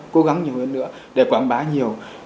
cố gắng nhiều hơn nữa để quảng bá nhiều